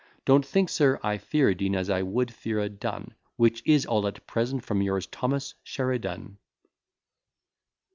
Don't think, sir, I fear a Dean, as I would fear a dun; Which is all at present from yours, THOMAS SHERIDAN.